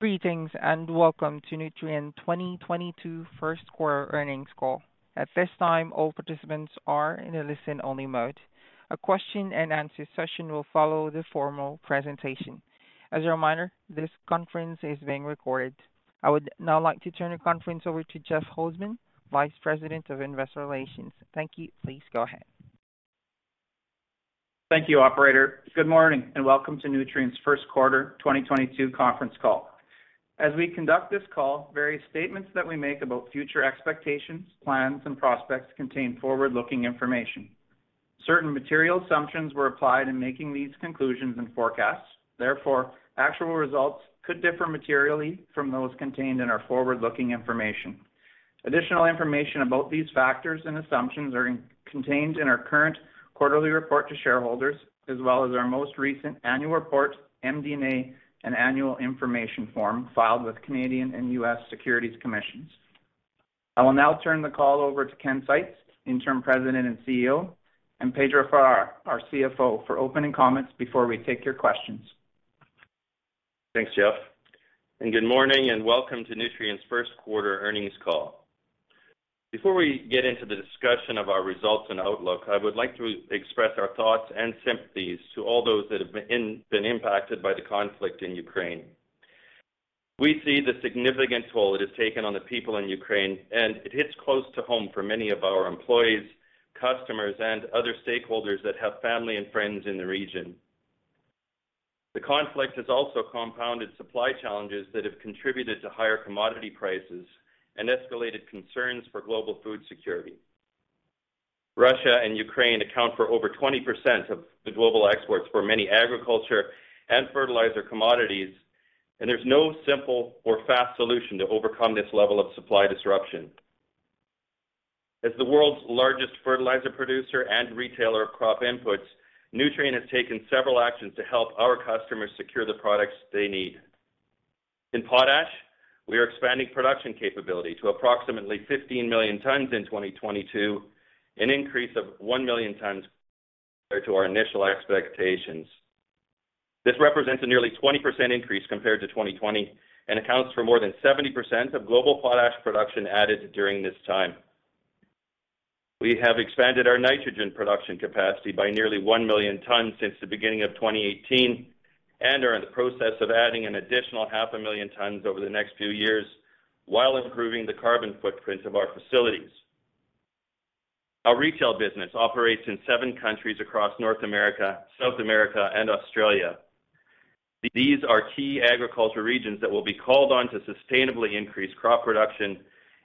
Greetings, and welcome to Nutrien 2022 first quarter earnings call. At this time, all participants are in a listen-only mode. A question-and-answer session will follow the formal presentation. As a reminder, this conference is being recorded. I would now like to turn the conference over to Jeff Holzman, Vice President of Investor Relations. Thank you. Please go ahead. Thank you, operator. Good morning, and welcome to Nutrien's First Quarter 2022 Conference Call. As we conduct this call, various statements that we make about future expectations, plans, and prospects contain forward-looking information. Certain material assumptions were applied in making these conclusions and forecasts. Therefore, actual results could differ materially from those contained in our forward-looking information. Additional information about these factors and assumptions are contained in our current quarterly report to shareholders, as well as our most recent annual report, MD&A, and annual information form filed with Canadian and U.S. securities commissions. I will now turn the call over to Ken Seitz, Interim President and CEO, and Pedro Farah, our CFO, for opening comments before we take your questions. Thanks, Jeff. Good morning, and welcome to Nutrien's first quarter earnings call. Before we get into the discussion of our results and outlook, I would like to express our thoughts and sympathies to all those that have been impacted by the conflict in Ukraine. We see the significant toll it has taken on the people in Ukraine, and it hits close to home for many of our employees, customers, and other stakeholders that have family and friends in the region. The conflict has also compounded supply challenges that have contributed to higher commodity prices and escalated concerns for global food security. Russia and Ukraine account for over 20% of the global exports for many agriculture and fertilizer commodities, and there's no simple or fast solution to overcome this level of supply disruption. As the world's largest fertilizer producer and retailer of crop inputs, Nutrien has taken several actions to help our customers secure the products they need. In potash, we are expanding production capability to approximately 15 million tons in 2022, an increase of 1 million tons compared to our initial expectations. This represents a nearly 20% increase compared to 2020 and accounts for more than 70% of global potash production added during this time. We have expanded our nitrogen production capacity by nearly 1 million tons since the beginning of 2018 and are in the process of adding an additional 0.5 million tons over the next few years while improving the carbon footprint of our facilities. Our retail business operates in seven countries across North America, South America, and Australia. These are key agriculture regions that will be called on to sustainably increase crop production,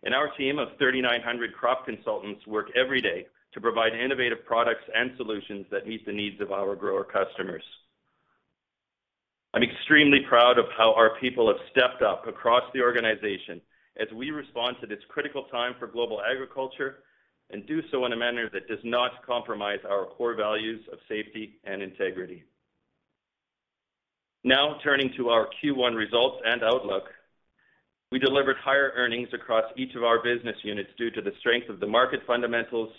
and our team of 3,900 crop consultants work every day to provide innovative products and solutions that meet the needs of our grower customers. I'm extremely proud of how our people have stepped up across the organization as we respond to this critical time for global agriculture and do so in a manner that does not compromise our core values of safety and integrity. Now turning to our Q1 results and outlook. We delivered higher earnings across each of our business units due to the strength of the market fundamentals,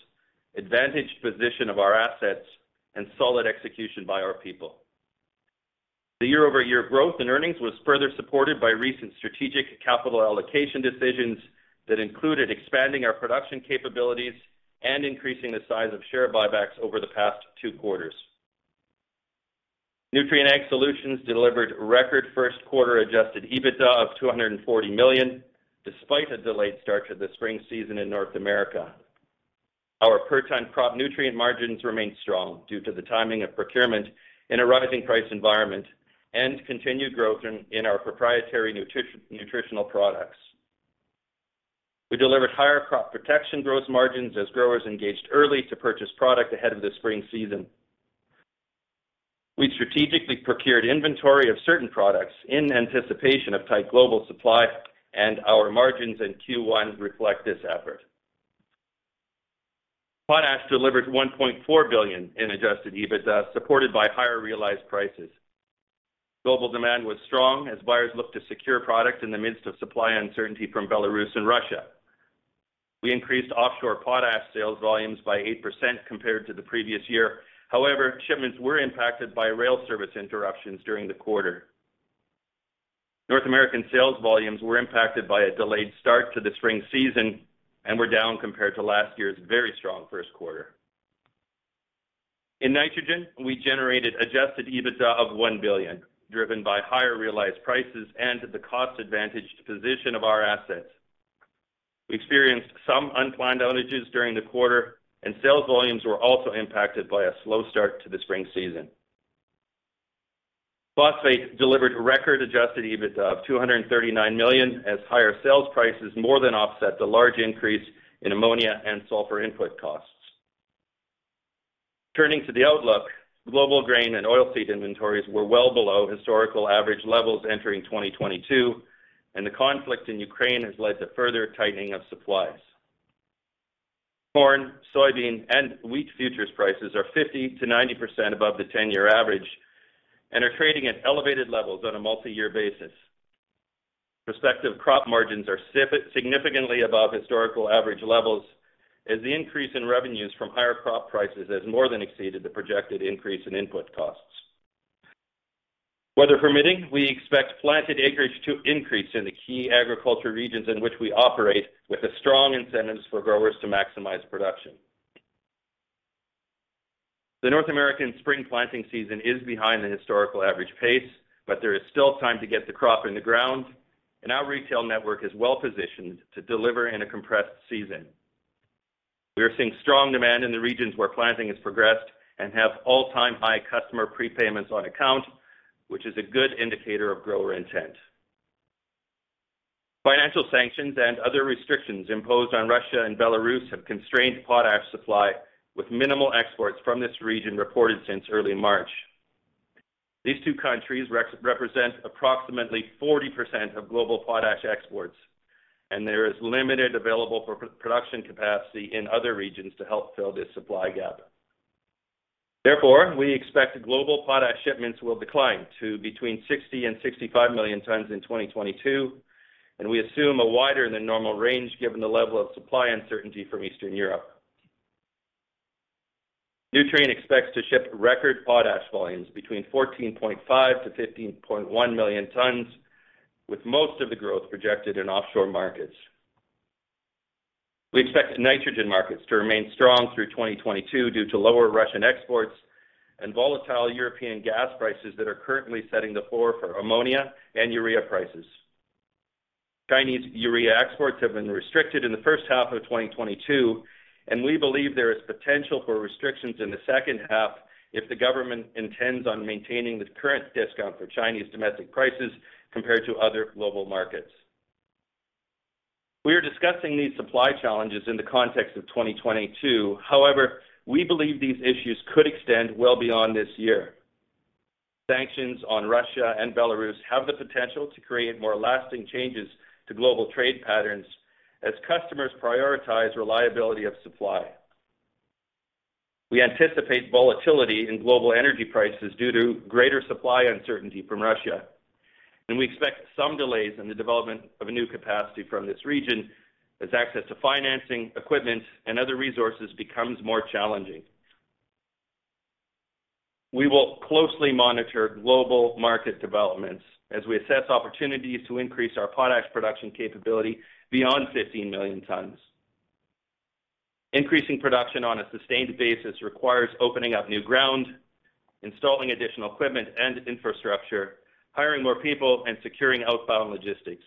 advantaged position of our assets, and solid execution by our people. The year-over-year growth in earnings was further supported by recent strategic capital allocation decisions that included expanding our production capabilities and increasing the size of share buybacks over the past two quarters. Nutrien Ag Solutions delivered record first quarter adjusted EBITDA of $240 million, despite a delayed start to the spring season in North America. Our per ton crop nutrient margins remained strong due to the timing of procurement in a rising price environment and continued growth in our proprietary nutritional products. We delivered higher crop protection gross margins as growers engaged early to purchase product ahead of the spring season. We strategically procured inventory of certain products in anticipation of tight global supply, and our margins in Q1 reflect this effort. Potash delivered $1.4 billion in adjusted EBITDA, supported by higher realized prices. Global demand was strong as buyers looked to secure product in the midst of supply uncertainty from Belarus and Russia. We increased offshore potash sales volumes by 8% compared to the previous year. However, shipments were impacted by rail service interruptions during the quarter. North American sales volumes were impacted by a delayed start to the spring season and were down compared to last year's very strong first quarter. In nitrogen, we generated adjusted EBITDA of $1 billion, driven by higher realized prices and the cost-advantaged position of our assets. We experienced some unplanned outages during the quarter, and sales volumes were also impacted by a slow start to the spring season. Phosphate delivered record adjusted EBITDA of $239 million as higher sales prices more than offset the large increase in ammonia and sulfur input costs. Turning to the outlook, global grain and oilseed inventories were well below historical average levels entering 2022, and the conflict in Ukraine has led to further tightening of supplies. Corn, soybean, and wheat futures prices are 50%-90% above the 10-year average and are trading at elevated levels on a multi-year basis. Prospective crop margins are significantly above historical average levels. As the increase in revenues from higher crop prices has more than exceeded the projected increase in input costs. Weather permitting, we expect planted acreage to increase in the key agriculture regions in which we operate, with the strong incentives for growers to maximize production. The North American spring planting season is behind the historical average pace, but there is still time to get the crop in the ground, and our retail network is well-positioned to deliver in a compressed season. We are seeing strong demand in the regions where planting has progressed and have all-time high customer prepayments on account, which is a good indicator of grower intent. Financial sanctions and other restrictions imposed on Russia and Belarus have constrained potash supply, with minimal exports from this region reported since early March. These two countries represent approximately 40% of global potash exports, and there is limited availability of production capacity in other regions to help fill this supply gap. Therefore, we expect global potash shipments will decline to between 60 and 65 million tons in 2022, and we assume a wider than normal range given the level of supply uncertainty from Eastern Europe. Nutrien expects to ship record potash volumes between 14.5-15.1 million tons, with most of the growth projected in offshore markets. We expect nitrogen markets to remain strong through 2022 due to lower Russian exports and volatile European gas prices that are currently setting the floor for ammonia and urea prices. Chinese urea exports have been restricted in the first half of 2022, and we believe there is potential for restrictions in the second half if the government intends on maintaining the current discount for Chinese domestic prices compared to other global markets. We are discussing these supply challenges in the context of 2022. However, we believe these issues could extend well beyond this year. Sanctions on Russia and Belarus have the potential to create more lasting changes to global trade patterns as customers prioritize reliability of supply. We anticipate volatility in global energy prices due to greater supply uncertainty from Russia, and we expect some delays in the development of a new capacity from this region as access to financing, equipment, and other resources becomes more challenging. We will closely monitor global market developments as we assess opportunities to increase our potash production capability beyond 15 million tons. Increasing production on a sustained basis requires opening up new ground, installing additional equipment and infrastructure, hiring more people, and securing outbound logistics.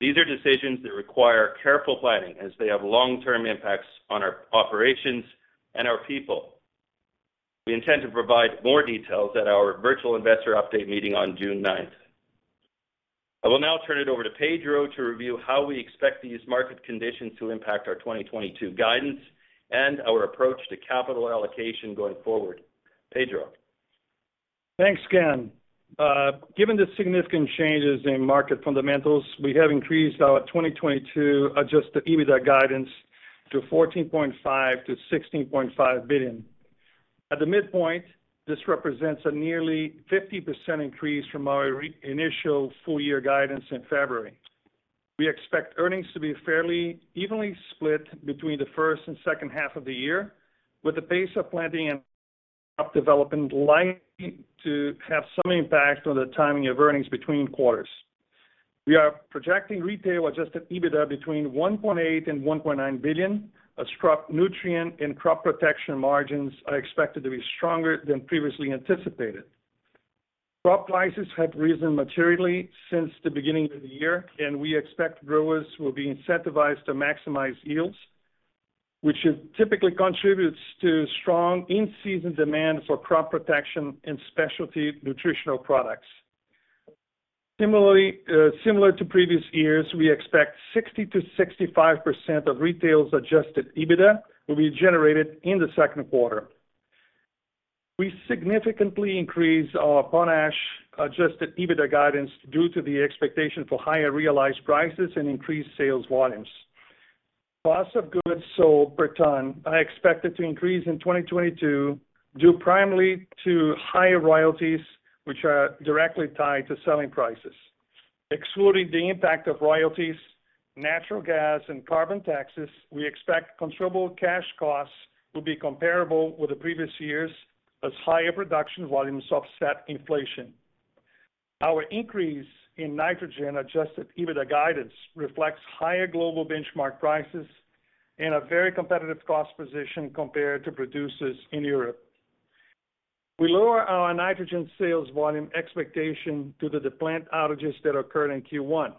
These are decisions that require careful planning as they have long-term impacts on our operations and our people. We intend to provide more details at our virtual investor update meeting on June 9th. I will now turn it over to Pedro to review how we expect these market conditions to impact our 2022 guidance and our approach to capital allocation going forward. Pedro? Thanks, Ken. Given the significant changes in market fundamentals, we have increased our 2022 adjusted EBITDA guidance to $14.5 billion-$16.5 billion. At the midpoint, this represents a nearly 50% increase from our initial full-year guidance in February. We expect earnings to be fairly evenly split between the first and second half of the year, with the pace of planting and crop development likely to have some impact on the timing of earnings between quarters. We are projecting retail adjusted EBITDA between $1.8 billion and $1.9 billion, as crop nutrient and crop protection margins are expected to be stronger than previously anticipated. Crop prices have risen materially since the beginning of the year, and we expect growers will be incentivized to maximize yields, which typically contributes to strong in-season demand for crop protection and specialty nutritional products. Similarly, similar to previous years, we expect 60%-65% of retail's adjusted EBITDA will be generated in the second quarter. We significantly increased our potash adjusted EBITDA guidance due to the expectation for higher realized prices and increased sales volumes. Cost of goods sold per ton are expected to increase in 2022 due primarily to higher royalties, which are directly tied to selling prices. Excluding the impact of royalties, natural gas, and carbon taxes, we expect controllable cash costs will be comparable with the previous years as higher production volumes offset inflation. Our increase in nitrogen adjusted EBITDA guidance reflects higher global benchmark prices and a very competitive cost position compared to producers in Europe. We lowered our nitrogen sales volume expectation due to the plant outages that occurred in Q1.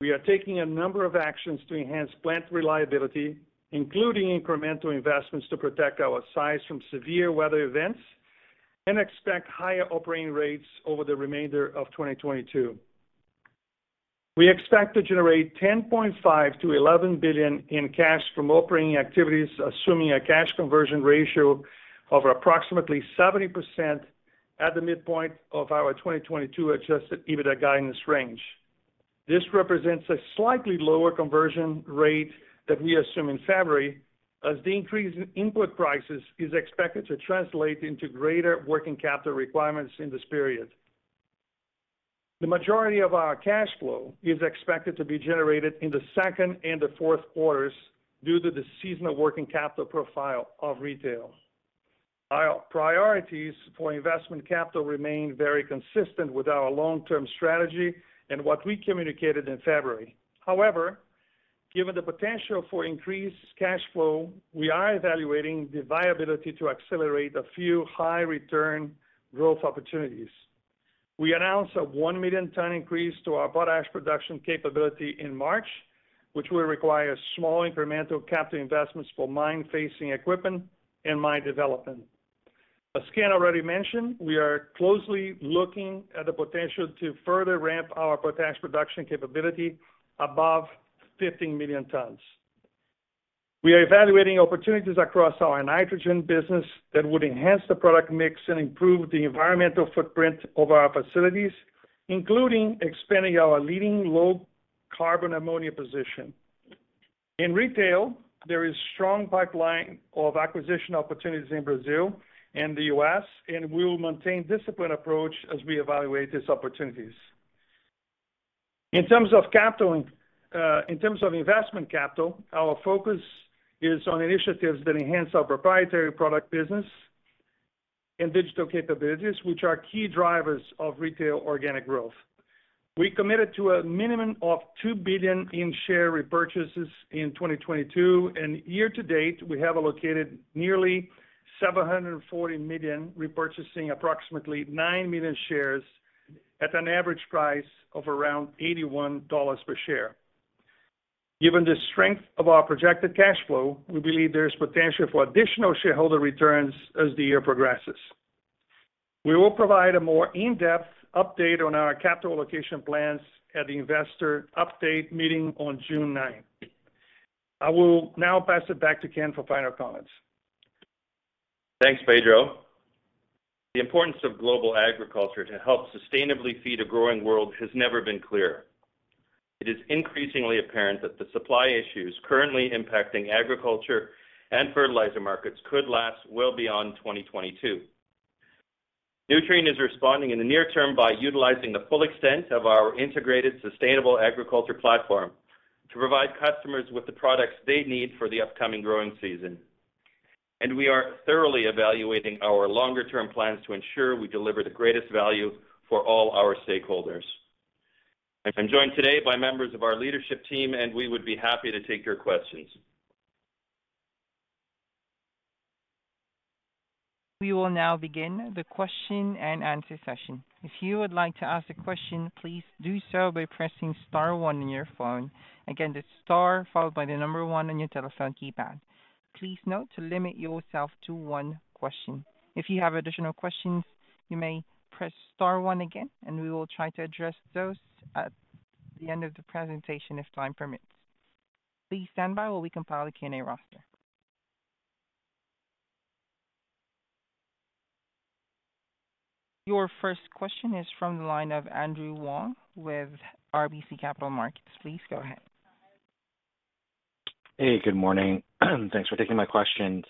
We are taking a number of actions to enhance plant reliability, including incremental investments to protect our sites from severe weather events and expect higher operating rates over the remainder of 2022. We expect to generate $10.5 billion-$11 billion in cash from operating activities, assuming a cash conversion ratio of approximately 70% at the midpoint of our 2022 adjusted EBITDA guidance range. This represents a slightly lower conversion rate that we assumed in February, as the increase in input prices is expected to translate into greater working capital requirements in this period. The majority of our cash flow is expected to be generated in the second and the fourth quarters due to the seasonal working capital profile of retail. Our priorities for investment capital remain very consistent with our long-term strategy and what we communicated in February. However, given the potential for increased cash flow, we are evaluating the viability to accelerate a few high return growth opportunities. We announced a 1 million ton increase to our potash production capability in March, which will require small incremental capital investments for mine-facing equipment and mine development. As Ken already mentioned, we are closely looking at the potential to further ramp our potash production capability above 15 million tons. We are evaluating opportunities across our nitrogen business that would enhance the product mix and improve the environmental footprint of our facilities, including expanding our leading low-carbon ammonia position. In retail, there is strong pipeline of acquisition opportunities in Brazil and the U.S., and we will maintain disciplined approach as we evaluate these opportunities. In terms of capital, in terms of investment capital, our focus is on initiatives that enhance our proprietary product business and digital capabilities, which are key drivers of retail organic growth. We committed to a minimum of $2 billion in share repurchases in 2022, and year to date, we have allocated nearly $740 million repurchasing approximately 9 million shares at an average price of around $81 per share. Given the strength of our projected cash flow, we believe there is potential for additional shareholder returns as the year progresses. We will provide a more in-depth update on our capital allocation plans at the investor update meeting on June ninth. I will now pass it back to Ken for final comments. Thanks, Pedro. The importance of global agriculture to help sustainably feed a growing world has never been clearer. It is increasingly apparent that the supply issues currently impacting agriculture and fertilizer markets could last well beyond 2022. Nutrien is responding in the near term by utilizing the full extent of our integrated sustainable agriculture platform to provide customers with the products they need for the upcoming growing season. We are thoroughly evaluating our longer-term plans to ensure we deliver the greatest value for all our stakeholders. I'm joined today by members of our leadership team, and we would be happy to take your questions. We will now begin the question and answer session. If you would like to ask a question, please do so by pressing star one on your phone. Again, the star followed by the number one on your telephone keypad. Please note to limit yourself to one question. If you have additional questions, you may press star one again, and we will try to address those at the end of the presentation if time permits. Please stand by while we compile the Q&A roster. Your first question is from the line of Andrew Wong with RBC Capital Markets. Please go ahead. Hey, good morning. Thanks for taking my questions.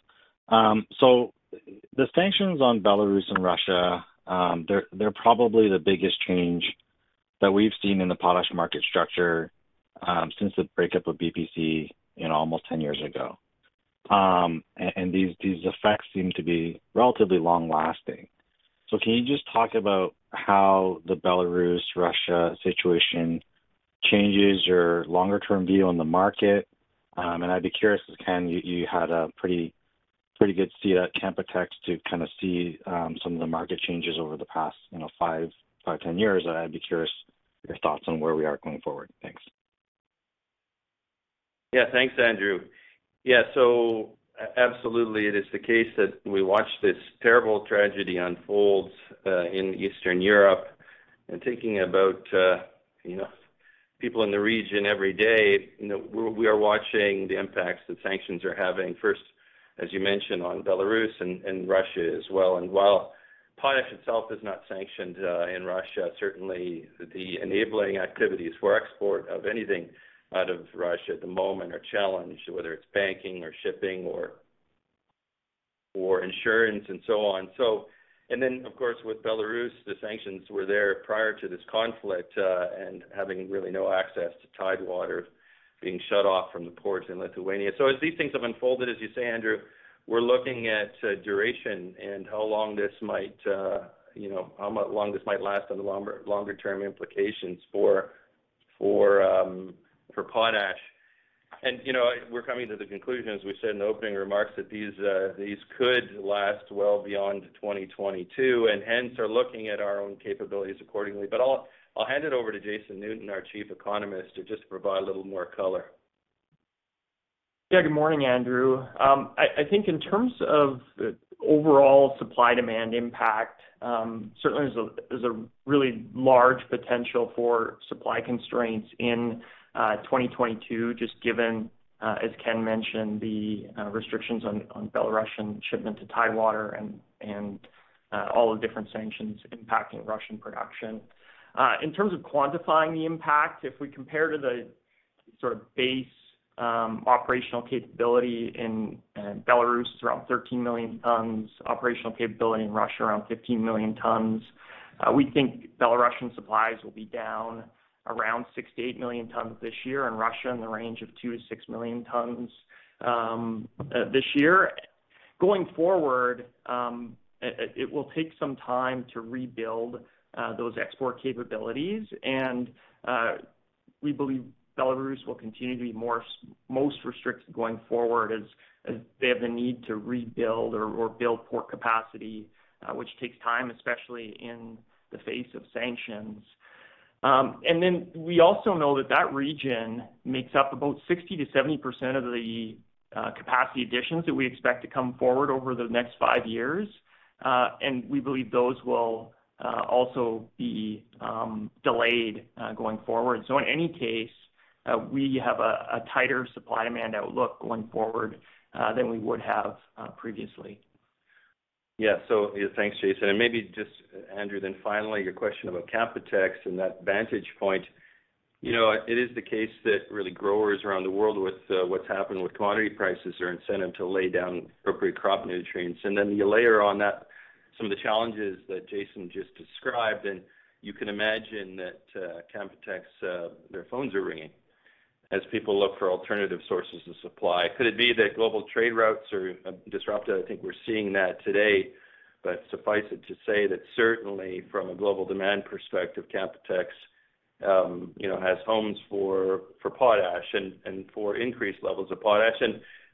The sanctions on Belarus and Russia, they're probably the biggest change that we've seen in the potash market structure, since the breakup of BPC, you know, almost 10 years ago. These effects seem to be relatively long-lasting. Can you just talk about how the Belarus-Russia situation changes your longer-term view on the market? I'd be curious, Ken, you had a pretty good seat at Canpotex to kind of see some of the market changes over the past, you know, five, 10 years. I'd be curious your thoughts on where we are going forward. Thanks. Yeah. Thanks, Andrew. Yeah. Absolutely, it is the case that we watch this terrible tragedy unfolds in Eastern Europe. Thinking about you know, people in the region every day, you know, we are watching the impacts that sanctions are having first, as you mentioned, on Belarus and Russia as well. While potash itself is not sanctioned in Russia, certainly the enabling activities for export of anything out of Russia at the moment are challenged, whether it's banking or shipping or insurance and so on. Then of course, with Belarus, the sanctions were there prior to this conflict, and having really no access to Tidewater, being shut off from the ports in Lithuania. As these things have unfolded, as you say, Andrew, we're looking at duration and how long this might last, you know, and the longer-term implications for potash. We're coming to the conclusion, as we said in opening remarks, that these could last well beyond 2022 and hence are looking at our own capabilities accordingly. I'll hand it over to Jason Newton, our Chief Economist, to just provide a little more color. Yeah. Good morning, Andrew. I think in terms of overall supply-demand impact, certainly there's a really large potential for supply constraints in 2022 just given as Ken mentioned the restrictions on Belarusian shipment to Tidewater and all the different sanctions impacting Russian production. In terms of quantifying the impact, if we compare to the Sort of base operational capability in Belarus is around 13 million tons, operational capability in Russia around 15 million tons. We think Belarusian supplies will be down around 6-8 million tons this year, in Russia in the range of 2-6 million tons this year. Going forward, it will take some time to rebuild those export capabilities. We believe Belarus will continue to be more most restricted going forward as they have the need to rebuild or build port capacity, which takes time, especially in the face of sanctions. We also know that that region makes up about 60%-70% of the capacity additions that we expect to come forward over the next five years. We believe those will also be delayed going forward. In any case, we have a tighter supply demand outlook going forward than we would have previously. Yeah. Thanks, Jason. Maybe just Andrew, then finally, your question about Canpotex and that vantage point. You know, it is the case that really growers around the world with what's happened with commodity prices are incented to lay down appropriate crop nutrients. You layer on that some of the challenges that Jason just described, and you can imagine that Canpotex their phones are ringing as people look for alternative sources of supply. Could it be that global trade routes are disrupted? I think we're seeing that today, but suffice it to say that certainly from a global demand perspective, Canpotex you know, has homes for potash and for increased levels of potash.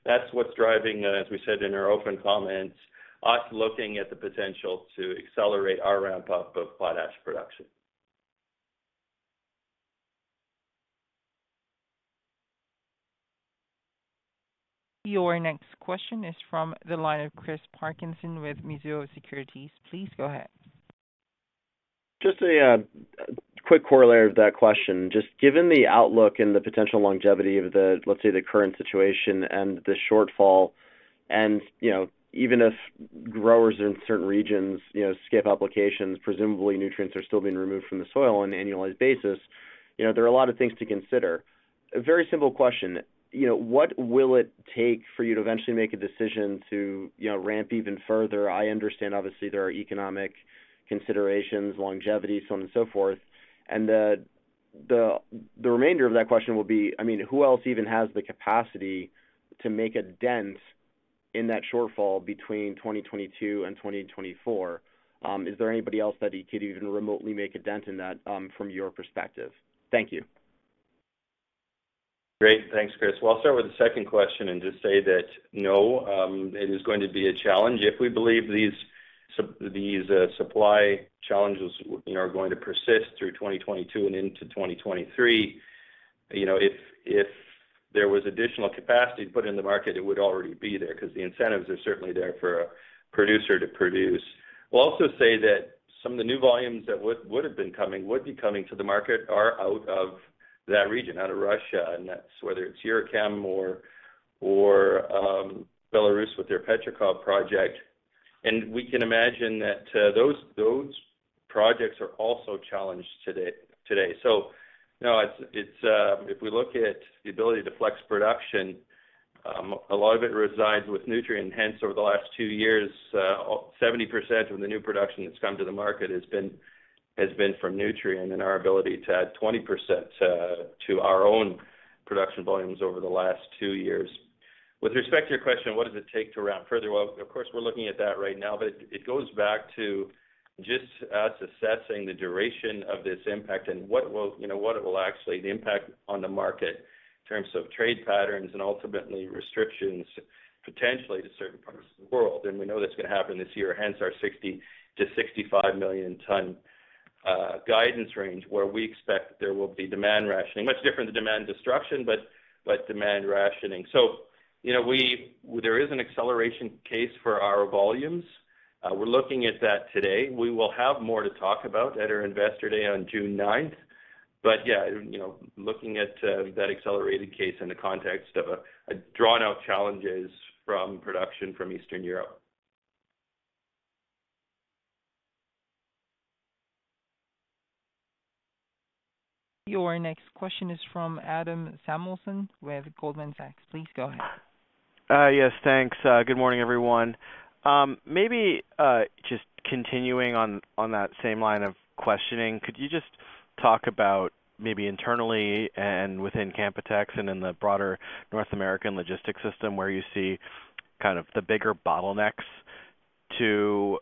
That's what's driving, as we said in our open comments, us looking at the potential to accelerate our ramp-up of potash production. Your next question is from the line of Christopher Parkinson with Mizuho Securities. Please go ahead. Just a quick corollary of that question. Just given the outlook and the potential longevity of the, let's say, the current situation and the shortfall, and, you know, even if growers in certain regions, you know, skip applications, presumably nutrients are still being removed from the soil on an annualized basis. You know, there are a lot of things to consider. A very simple question. You know, what will it take for you to eventually make a decision to, you know, ramp even further? I understand obviously there are economic considerations, longevity, so on and so forth. The remainder of that question will be, I mean, who else even has the capacity to make a dent in that shortfall between 2022 and 2024? Is there anybody else that could even remotely make a dent in that, from your perspective? Thank you. Great. Thanks, Chris. Well, I'll start with the second question and just say that, no, it is going to be a challenge if we believe these supply challenges, you know, are going to persist through 2022 and into 2023. You know, if there was additional capacity to put in the market, it would already be there because the incentives are certainly there for a producer to produce. We'll also say that some of the new volumes that would have been coming to the market are out of that region, out of Russia, and that's whether it's Uralkali or Belarus with their Petrikov Project. We can imagine that those projects are also challenged today. You know, it's if we look at the ability to flex production, a lot of it resides with Nutrien. Hence, over the last two years, 70% of the new production that's come to the market has been from Nutrien and our ability to add 20% to our own production volumes over the last two years. With respect to your question, what does it take to ramp further? Well, of course, we're looking at that right now, but it goes back to just us assessing the duration of this impact and what it will actually the impact on the market in terms of trade patterns and ultimately restrictions potentially to certain parts of the world. We know that's going to happen this year, hence our 60-65 million ton guidance range, where we expect there will be demand rationing. Much different to demand destruction, but demand rationing. You know, there is an acceleration case for our volumes. We're looking at that today. We will have more to talk about at our Investor Day on June 9th. Looking at that accelerated case in the context of a drawn-out challenges from production from Eastern Europe. Your next question is from Adam Samuelson with Goldman Sachs. Please go ahead. Yes, thanks. Good morning, everyone. Maybe just continuing on that same line of questioning, could you just talk about maybe internally and within Canpotex and in the broader North American logistics system where you see kind of the bigger bottlenecks to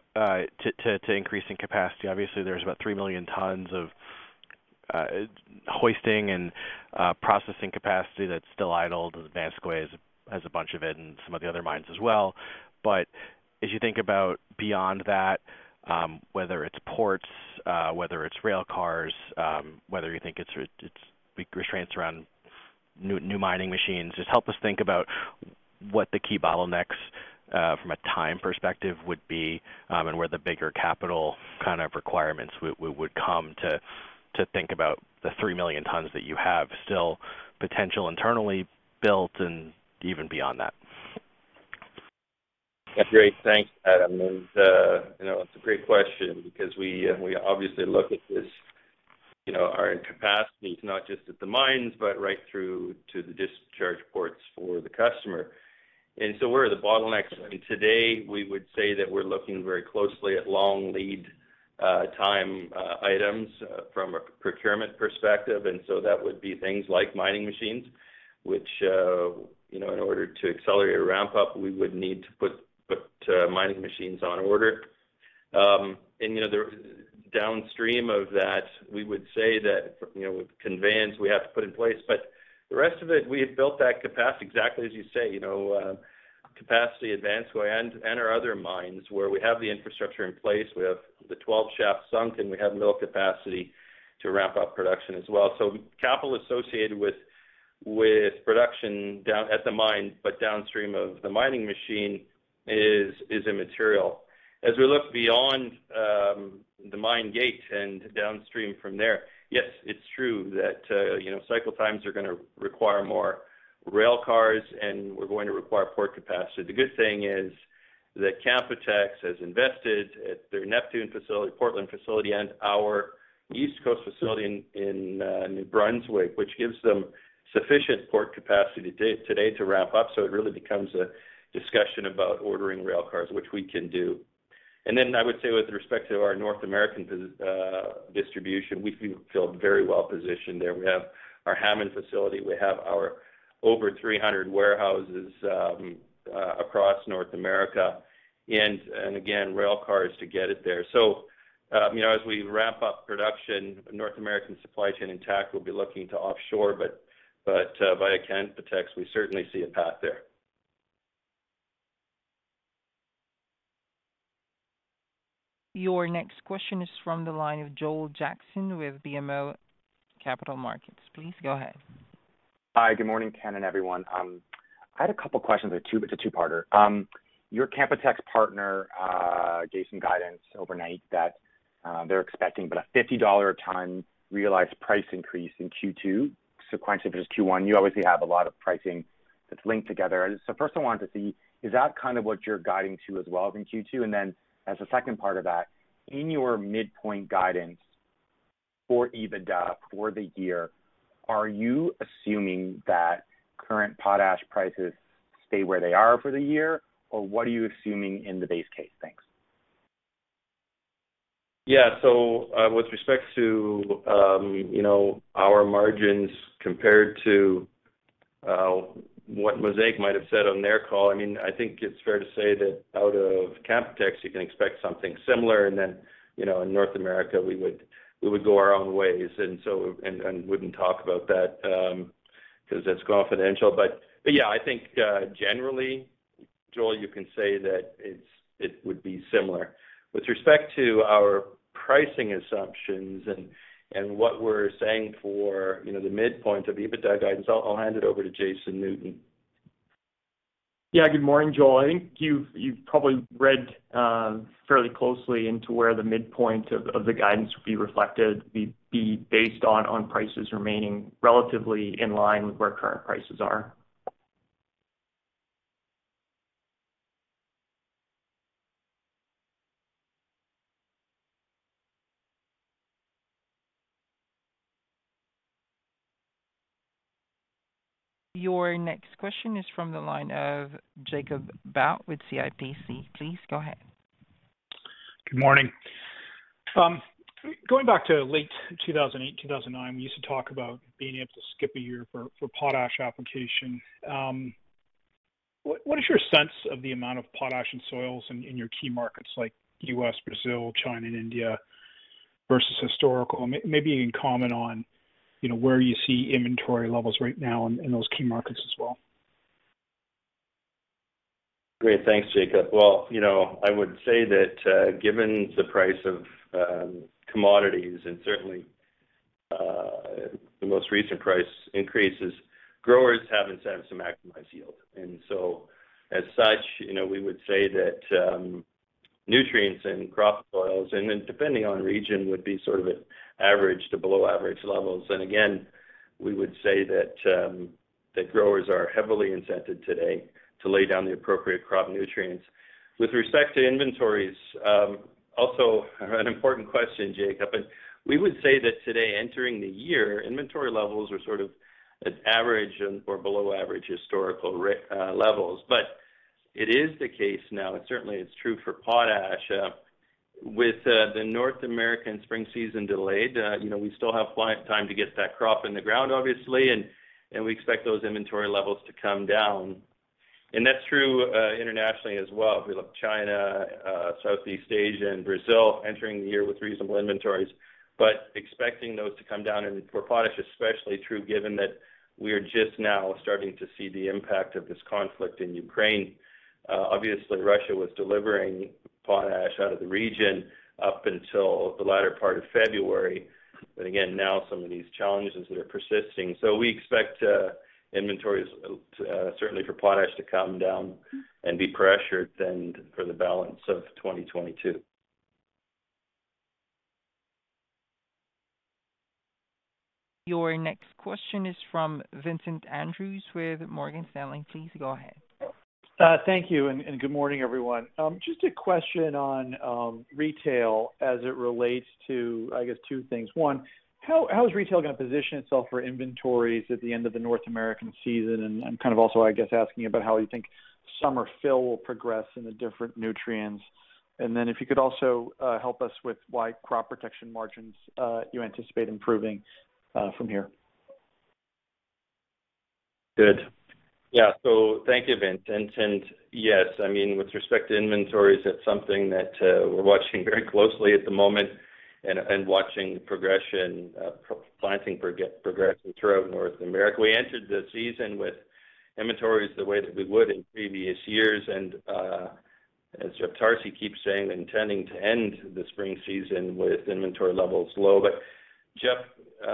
increasing capacity? Obviously, there's about 3 million tons of hoisting and processing capacity that's still idled, as Vanscoy has a bunch of it and some of the other mines as well. As you think about beyond that, whether it's ports, whether it's rail cars, whether you think it's big constraints around new mining machines, just help us think about what the key bottlenecks from a time perspective would be, and where the bigger capital kind of requirements would come from, to think about the 3 million tons that you have still potential internally built and even beyond that. Great. Thanks, Adam. You know, it's a great question because we obviously look at this, you know, our capacities, not just at the mines, but right through to the discharge ports for the customer. Where are the bottlenecks? I mean, today, we would say that we're looking very closely at long lead time items from a procurement perspective. That would be things like mining machines, which, you know, in order to accelerate a ramp-up, we would need to put mining machines on order. You know, the downstream of that, we would say that, you know, with conveyance, we have to put in place. The rest of it, we have built that capacity exactly as you say, you know. Cory mine and our other mines where we have the infrastructure in place. We have the 12 shaft sunk, and we have mill capacity to ramp up production as well. Capital associated with production down at the mine, but downstream of the mining machine is immaterial. As we look beyond the mine gate and downstream from there, yes, it's true that you know, cycle times are gonna require more rail cars, and we're going to require port capacity. The good thing is that Canpotex has invested at their Neptune facility, Portland facility and our East Coast facility in New Brunswick, which gives them sufficient port capacity to today to ramp up. It really becomes a discussion about ordering rail cars, which we can do. I would say with respect to our North American business distribution, we feel very well positioned there. We have our Hammond facility. We have our over 300 warehouses across North America and again, rail cars to get it there. You know, as we ramp up production, North American supply chain intact, we'll be looking to offshore. Via Canpotex, we certainly see a path there. Your next question is from the line of Joel Jackson with BMO Capital Markets. Please go ahead. Hi. Good morning, Ken and everyone. I had a couple questions or two. It's a two-parter. Your Canpotex partner gave some guidance overnight that they're expecting about a $50 a ton realized price increase in Q2 sequentially versus Q1. You obviously have a lot of pricing that's linked together. First I wanted to see, is that kind of what you're guiding to as well in Q2? As a second part of that, in your midpoint guidance for EBITDA for the year, are you assuming that current potash prices stay where they are for the year, or what are you assuming in the base case? Thanks. With respect to you know, our margins compared to what Mosaic might have said on their call, I mean, I think it's fair to say that out of Canpotex you can expect something similar. You know, in North America, we would go our own ways and wouldn't talk about that because that's confidential. Yeah, I think generally, Joel, you can say that it would be similar. With respect to our pricing assumptions and what we're saying for you know, the midpoint of EBITDA guidance, I'll hand it over to Jason Newton. Good morning Joel. I think you've probably read fairly closely into where the midpoint of the guidance would be reflected based on prices remaining relatively in line with where current prices are. Your next question is from the line of Jacob Bout with CIBC. Please go ahead. Good morning. Going back to late 2008, 2009, we used to talk about being able to skip a year for potash application. What is your sense of the amount of potash in soils in your key markets like U.S., Brazil, China and India versus historical? Maybe you can comment on where you see inventory levels right now in those key markets as well. Great. Thanks, Jacob. Well, you know, I would say that, given the price of commodities and certainly the most recent price increases, growers have incentive to maximize yield. As such, you know, we would say that nutrients and crop oils, and then depending on region, would be sort of at average to below average levels. Again, we would say that growers are heavily incentivized today to lay down the appropriate crop nutrients. With respect to inventories, also an important question, Jacob, and we would say that today entering the year, inventory levels are sort of at average or below average historical levels. It is the case now, and certainly it's true for potash, with the North American spring season delayed, you know, we still have plenty of time to get that crop in the ground, obviously. We expect those inventory levels to come down. That's true internationally as well. If we look at China, Southeast Asia and Brazil entering the year with reasonable inventories, but expecting those to come down and for potash, especially true given that we are just now starting to see the impact of this conflict in Ukraine. Obviously Russia was delivering potash out of the region up until the latter part of February. Again, now some of these challenges that are persisting. We expect inventories certainly for potash to come down and be pressured then for the balance of 2022. Your next question is from Vincent Andrews with Morgan Stanley. Please go ahead. Thank you, and good morning, everyone. Just a question on retail as it relates to, I guess, two things. One, how is retail gonna position itself for inventories at the end of the North American season? I'm kind of also, I guess, asking about how you think summer fill will progress in the different nutrients. If you could also help us with why crop protection margins you anticipate improving from here. Good. Yeah. Thank you, Vincent. Yes, I mean, with respect to inventories, that's something that we're watching very closely at the moment and watching planting progress throughout North America. We entered the season with inventories the way that we would in previous years, and as Jeff Tarsi keeps saying, intending to end the spring season with inventory levels low. But Jeff,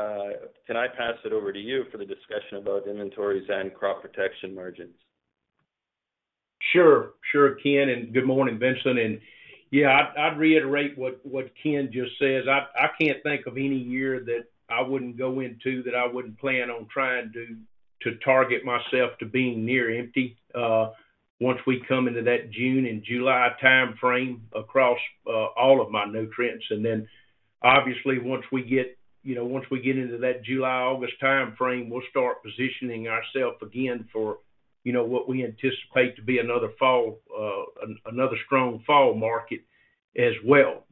can I pass it over to you for the discussion about inventories and crop protection margins? Sure, Ken, and good morning, Vincent. Yeah, I'd reiterate what Ken just said. I can't think of any year that I wouldn't go into that I wouldn't plan on trying to target myself to being near empty once we come into that June and July timeframe across all of my nutrients. Then obviously, once we get, you know, once we get into that July, August timeframe, we'll start positioning ourself again for, you know, what we anticipate to be another fall another strong fall market as well.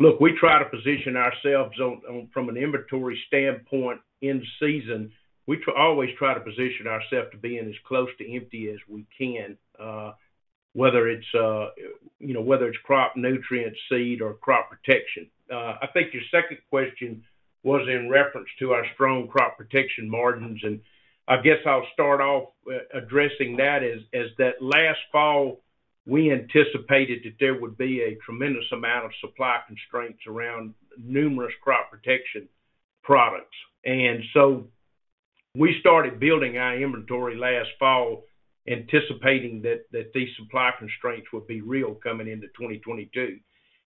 Look, we try to position ourselves from an inventory standpoint in season. We always try to position ourself to being as close to empty as we can whether it's, you know, crop nutrients, seed or crop protection. I think your second question was in reference to our strong crop protection margins, and I guess I'll start off addressing that as that last fall, we anticipated that there would be a tremendous amount of supply constraints around numerous crop protection products. We started building our inventory last fall, anticipating that these supply constraints would be real coming into 2022.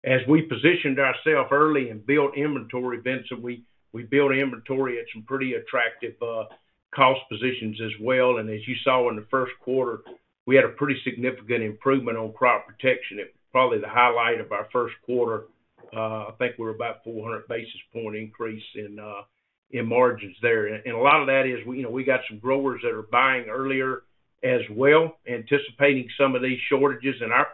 As we positioned ourselves early and built inventory in advance, and we built inventory at some pretty attractive cost positions as well. As you saw in the first quarter, we had a pretty significant improvement on crop protection. It was probably the highlight of our first quarter. I think we're about 400 basis points increase in margins there. A lot of that is, you know, we got some growers that are buying earlier as well, anticipating some of these shortages. Our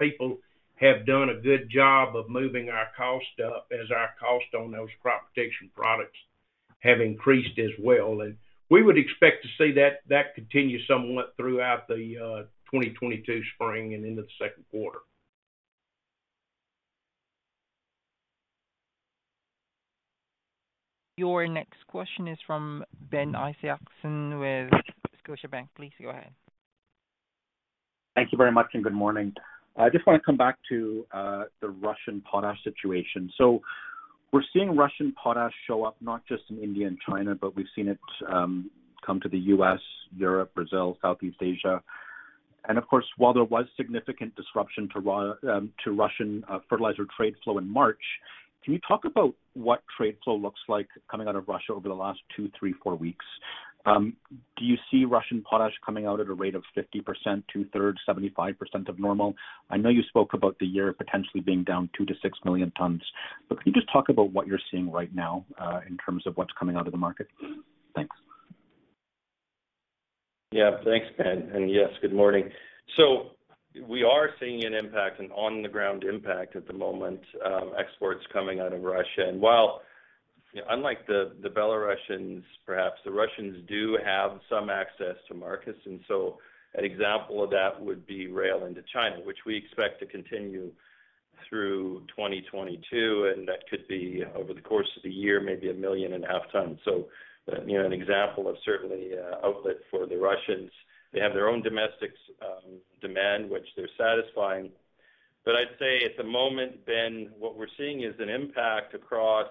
people have done a good job of moving our cost up as our cost on those crop protection products have increased as well. We would expect to see that continue somewhat throughout the 2022 spring and into the second quarter. Your next question is from Ben Isaacson with Scotiabank. Please go ahead. Thank you very much, and good morning. I just wanna come back to the Russian potash situation. We're seeing Russian potash show up not just in India and China, but we've seen it come to the U.S., Europe, Brazil, Southeast Asia. Of course, while there was significant disruption to Russian fertilizer trade flow in March, can you talk about what trade flow looks like coming out of Russia over the last two, three, four weeks? Do you see Russian potash coming out at a rate of 50%, two-thirds, 75% of normal? I know you spoke about the year potentially being down 2-6 million tons, but can you just talk about what you're seeing right now in terms of what's coming out of the market? Thanks. Yeah. Thanks, Ben. Yes, good morning. We are seeing an impact, an on the ground impact at the moment, exports coming out of Russia. While unlike the Belarusians, perhaps the Russians do have some access to markets, an example of that would be rail into China, which we expect to continue through 2022, and that could be over the course of the year, maybe 1.5 million tons. You know, an example of certainly an outlet for the Russians. They have their own domestic demand, which they're satisfying. But I'd say at the moment, Ben, what we're seeing is an impact across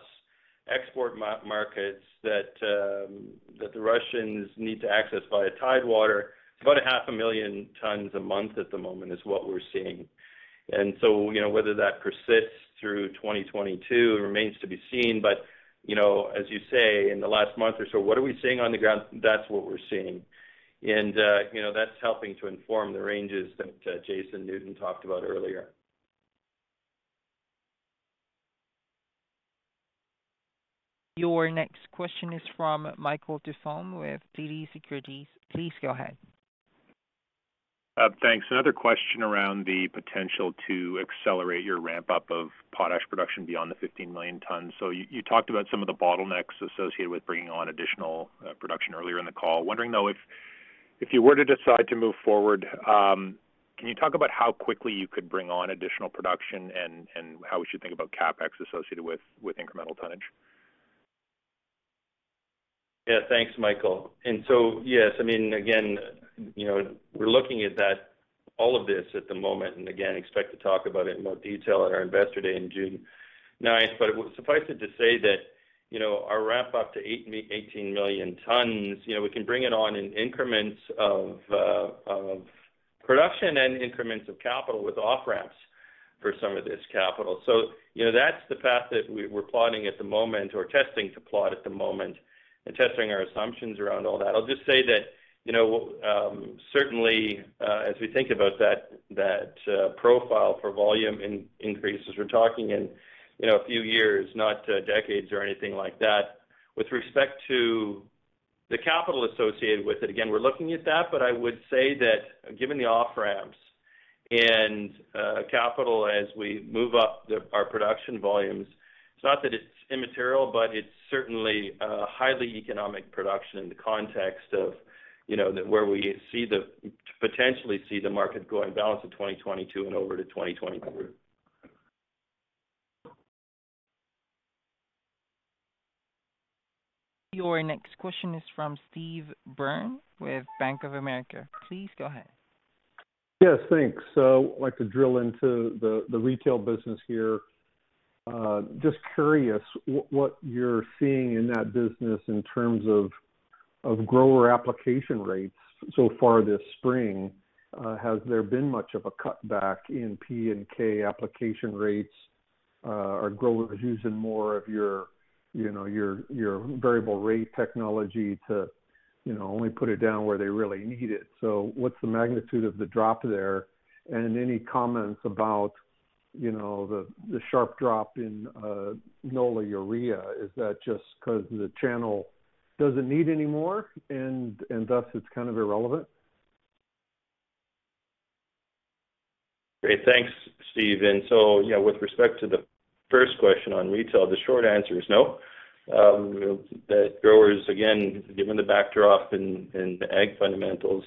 export markets that the Russians need to access via Tidewater. About 0.5 million tons a month at the moment is what we're seeing. You know, whether that persists through 2022 remains to be seen. As you say, in the last month or so, what are we seeing on the ground? That's what we're seeing. You know, that's helping to inform the ranges that Jason Newton talked about earlier. Your next question is from Michael Doumet with TD Securities. Please go ahead. Thanks. Another question around the potential to accelerate your ramp-up of potash production beyond the 15 million tons. You talked about some of the bottlenecks associated with bringing on additional production earlier in the call. Wondering, though, if you were to decide to move forward, can you talk about how quickly you could bring on additional production and how we should think about CapEx associated with incremental tonnage? Yeah. Thanks, Michael. Yes, I mean, again, you know, we're looking at that, all of this at the moment, and again, expect to talk about it in more detail at our Investor Day in June ninth. Suffice it to say that, you know, our ramp-up to 18 million tons, you know, we can bring it on in increments of production and increments of capital with off-ramps for some of this capital. You know, that's the path that we're plotting at the moment or testing to plot at the moment and testing our assumptions around all that. I'll just say that, you know, certainly, as we think about that profile for volume increases, we're talking in, you know, a few years, not decades or anything like that. With respect to the capital associated with it, again, we're looking at that, but I would say that given the off-ramps and capital as we move up our production volumes, it's not that it's immaterial, but it's certainly a highly economic production in the context of, you know, where we see the market potentially going, balance of 2022 and over to 2023. Your next question is from Steve Byrne with Bank of America. Please go ahead. Yes, thanks. I'd like to drill into the retail business here. Just curious what you're seeing in that business in terms of grower application rates so far this spring. Has there been much of a cutback in P&K application rates? Are growers using more of your variable rate technology to only put it down where they really need it? What's the magnitude of the drop there? Any comments about the sharp drop in NOLA urea? Is that just 'cause the channel doesn't need any more and thus it's kind of irrelevant? Great. Thanks, Steve. You know, with respect to the first question on retail, the short answer is no. The growers, again, given the backdrop and the ag fundamentals,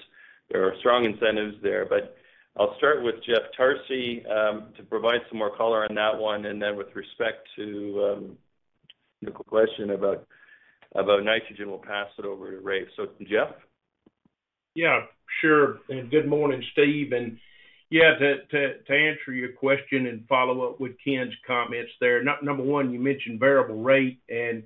there are strong incentives there. I'll start with Jeff Tarsi to provide some more color on that one. Then with respect to the question about nitrogen, we'll pass it over to Raef Sully. Jeff? Yeah, sure. Good morning, Steve. Yeah, to answer your question and follow up with Ken's comments there. Number one, you mentioned variable rate and,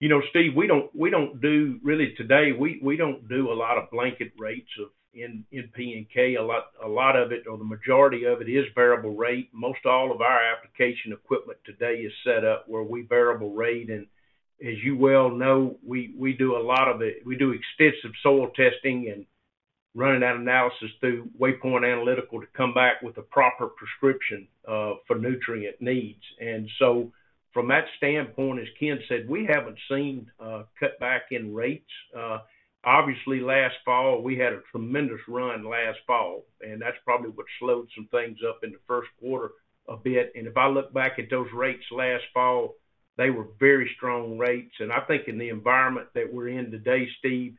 you know, Steve, we don't do really today, we don't do a lot of blanket rates of N, P and K. A lot of it or the majority of it is variable rate. Most all of our application equipment today is set up where we variable rate. As you well know, we do a lot of it. We do extensive soil testing and running that analysis through Waypoint Analytical to come back with a proper prescription for nutrient needs. From that standpoint, as Ken said, we haven't seen a cutback in rates. Obviously last fall, we had a tremendous run last fall, and that's probably what slowed some things up in the first quarter a bit. If I look back at those rates last fall, they were very strong rates. I think in the environment that we're in today, Steve,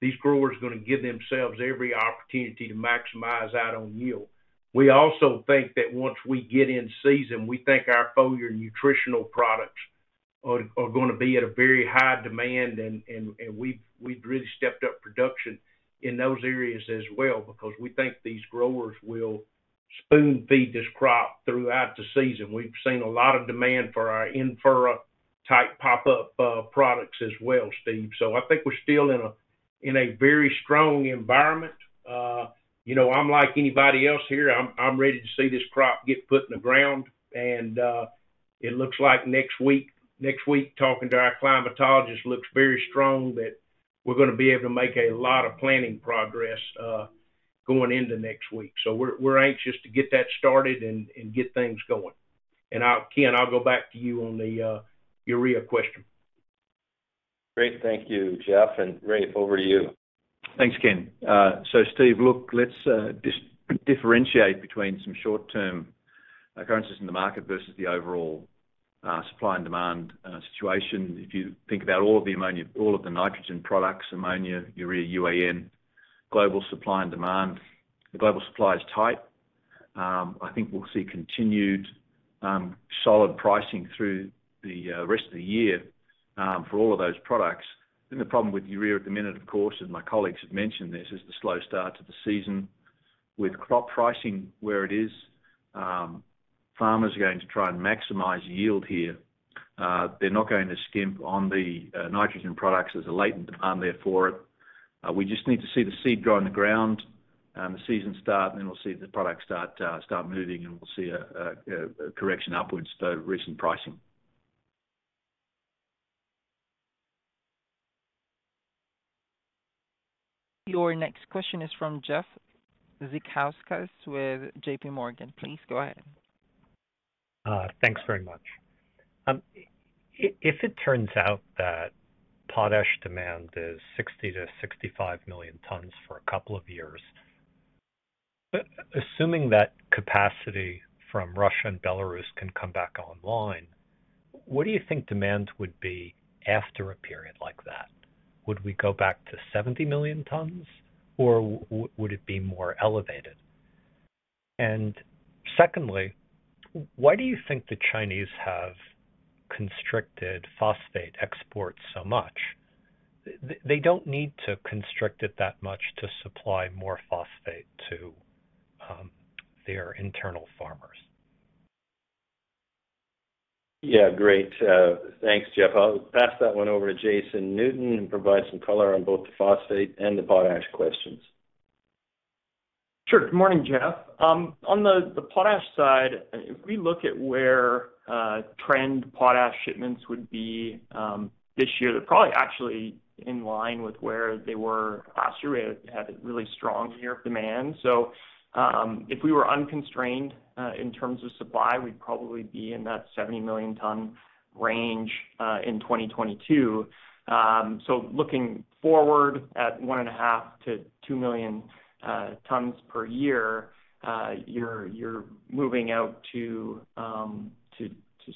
these growers are gonna give themselves every opportunity to maximize out on yield. We also think that once we get in season, we think our foliar nutritional products are gonna be at a very high demand, and we've really stepped up production in those areas as well because we think these growers will spoon feed this crop throughout the season. We've seen a lot of demand for our in-furrow type pop-up products as well, Steve. I think we're still in a very strong environment. You know, I'm like anybody else here. I'm ready to see this crop get put in the ground. It looks like next week, talking to our climatologist, looks very strong that we're gonna be able to make a lot of planting progress going into next week. We're anxious to get that started and get things going. I'll go back to you, Ken, on the urea question. Great. Thank you, Jeff. Raef, over to you. Thanks, Ken. Steve, look, let's differentiate between some short term occurrences in the market versus the overall supply and demand situation. If you think about all of the nitrogen products, ammonia, urea, UAN, global supply and demand, the global supply is tight. I think we'll see continued solid pricing through the rest of the year for all of those products. I think the problem with urea at the minute, of course, as my colleagues have mentioned this, is the slow start to the season. With crop pricing where it is, farmers are going to try and maximize yield here. They're not going to skimp on the nitrogen products. There's a latent demand there for it. We just need to see the seed grow in the ground, the season start, and then we'll see the product start moving, and we'll see a correction upwards to recent pricing. Your next question is from Jeffrey Zekauskas with JPMorgan. Please go ahead. Thanks very much. If it turns out that potash demand is 60-65 million tons for a couple of years, assuming that capacity from Russia and Belarus can come back online, what do you think demand would be after a period like that? Would we go back to 70 million tons or would it be more elevated? Secondly, why do you think the Chinese have constricted phosphate exports so much? They don't need to constrict it that much to supply more phosphate to their internal farmers. Yeah, great. Thanks, Jeff. I'll pass that one over to Jason Newton to provide some color on both the phosphate and the potash questions. Sure. Good morning, Jeff. On the potash side, if we look at where trended potash shipments would be this year, they're probably actually in line with where they were last year. We had a really strong year of demand. If we were unconstrained in terms of supply, we'd probably be in that 70 million ton range in 2022. Looking forward at 1.5-2 million tons per year, you're moving out to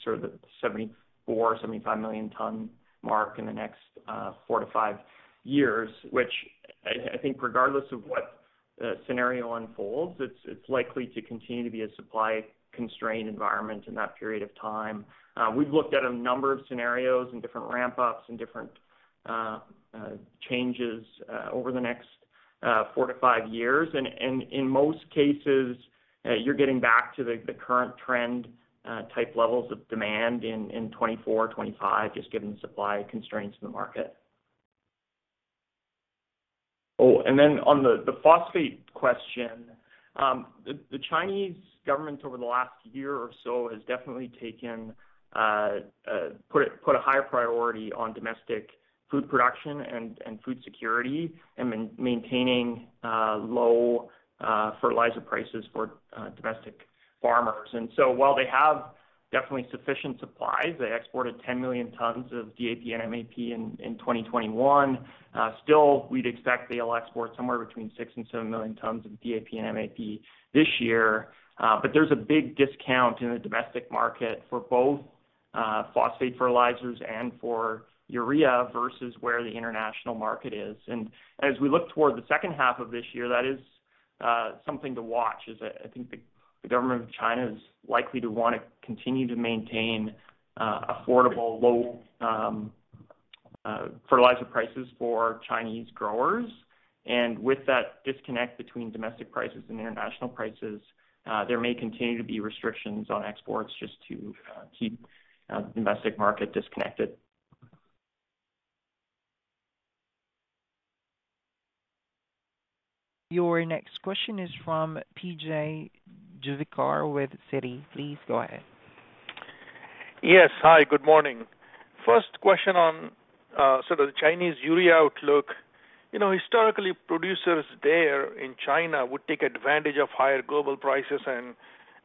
sort of the 74-75 million ton mark in the next four-five years, which I think regardless of what scenario unfolds, it's likely to continue to be a supply constrained environment in that period of time. We've looked at a number of scenarios and different ramp ups and different changes over the next four to five years. In most cases, you're getting back to the current trend type levels of demand in 2024, 2025, just given the supply constraints in the market. On the phosphate question, the Chinese government over the last year or so has definitely put a higher priority on domestic food production and food security and maintaining low fertilizer prices for domestic farmers. While they have definitely sufficient supplies, they exported 10 million tons of DAP and MAP in 2021. Still, we'd expect they'll export somewhere between 6-7 million tons of DAP and MAP this year. There's a big discount in the domestic market for both phosphate fertilizers and for urea versus where the international market is. As we look toward the second half of this year, that is something to watch. I think the government of China is likely to wanna continue to maintain affordable, low fertilizer prices for Chinese growers. With that disconnect between domestic prices and international prices, there may continue to be restrictions on exports just to keep domestic market disconnected. Your next question is from P.J. Juvekar with Citi. Please go ahead. Yes. Hi, good morning. First question on sort of the Chinese urea outlook. You know, historically, producers there in China would take advantage of higher global prices and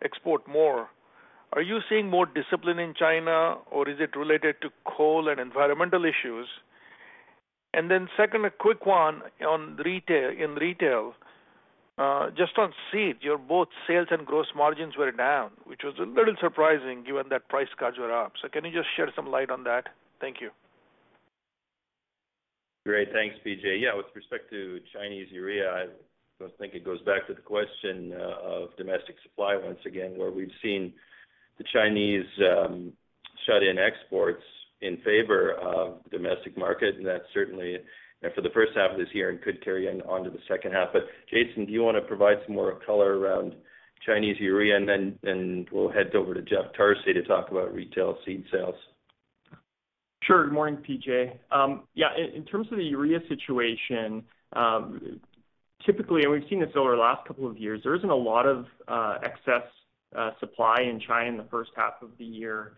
export more. Are you seeing more discipline in China, or is it related to coal and environmental issues? Then second, a quick one on retail, in retail. Just on seed, your both sales and gross margins were down, which was a little surprising given that price cuts were up. Can you just shed some light on that? Thank you. Great. Thanks, P.J. Yeah, with respect to Chinese urea, I think it goes back to the question of domestic supply once again, where we've seen the Chinese shut in exports in favor of domestic market, and that's certainly, you know, for the first half of this year and could carry on to the second half. Jason, do you wanna provide some more color around Chinese urea? Then we'll head over to Jeff Tarsi to talk about retail seed sales. Sure. Good morning, P.J. Yeah, in terms of the urea situation, typically, and we've seen this over the last couple of years, there isn't a lot of excess supply in China in the first half of the year,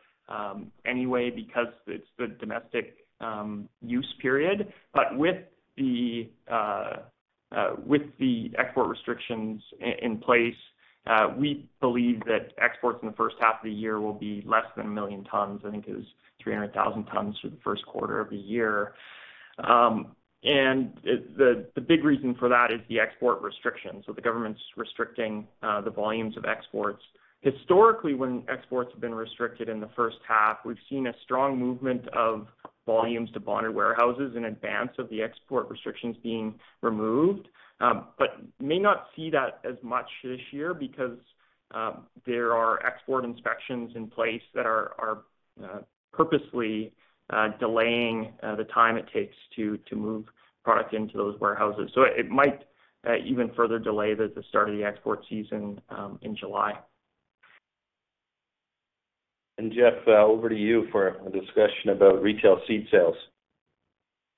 anyway because it's the domestic use period. With the export restrictions in place, we believe that exports in the first half of the year will be less than 1 million tons. I think it was 300,000 tons for the first quarter of the year. The big reason for that is the export restrictions. The government's restricting the volumes of exports. Historically, when exports have been restricted in the first half, we've seen a strong movement of volumes to bonded warehouses in advance of the export restrictions being removed. May not see that as much this year because there are export inspections in place that are purposely delaying the time it takes to move product into those warehouses. It might even further delay the start of the export season in July. Jeff, over to you for a discussion about retail seed sales.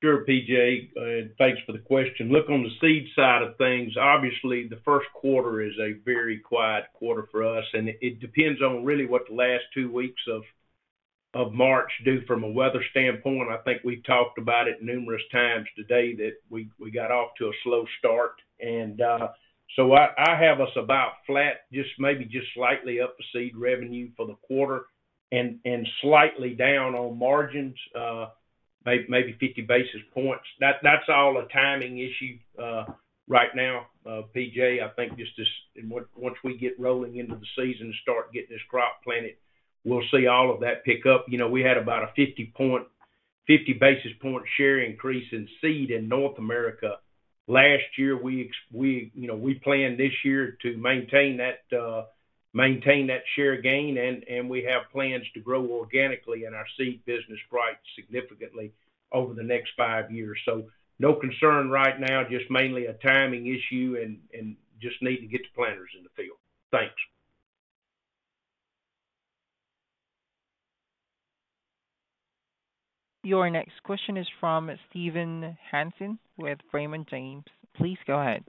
Sure, P.J., thanks for the question. Look, on the seed side of things, obviously, the first quarter is a very quiet quarter for us, and it depends on really what the last two weeks of March do from a weather standpoint. I think we talked about it numerous times today that we got off to a slow start. So I have us about flat, just maybe slightly up the seed revenue for the quarter and slightly down on margins, maybe 50 basis points. That's all a timing issue, right now, P.J. I think once we get rolling into the season and start getting this crop planted, we'll see all of that pick up. You know, we had about a 50 basis point share increase in seed in North America last year. We, you know, we plan this year to maintain that share gain, and we have plans to grow organically in our seed business right significantly over the next five years. No concern right now, just mainly a timing issue, and just need to get the planters in the field. Thanks. Your next question is from Steve Hansen with Raymond James. Please go ahead.